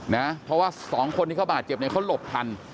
นะเพราะว่าสองคนที่เขาบาดเจ็บเนี่ยเขาหลบทัน